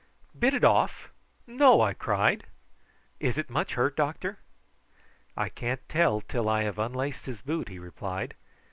"Bit it off! No!" I cried. "Is it much hurt, doctor?" "I can't tell till I have unlaced his boot," he replied.